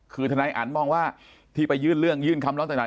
คือทนายอันมองว่าที่ไปยื่นเรื่องยื่นคำร้องต่าง